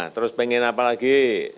terus pengen apa lagi